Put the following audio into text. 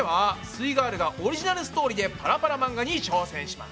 イガールがオリジナルストーリーでパラパラ漫画に挑戦します！